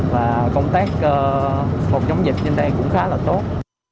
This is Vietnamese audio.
và công tác phòng chống dịch trên đây cũng khá là tốt